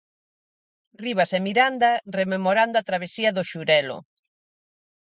Rivas e Miranda, rememorando a travesía do "Xurelo".